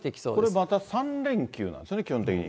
これまた３連休なんですよね、基本的に。